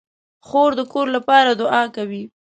خور د کور لپاره دعا کوي.